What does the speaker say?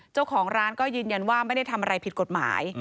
เจ้าของร้านก็ยืนยันว่าไม่ได้ทำอะไรผิดกฎหมาย